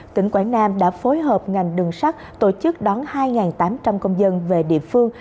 tỉnh quảng nam đã phối hợp ngành đường sắt tổ chức đón hai tám trăm linh công dân về địa phương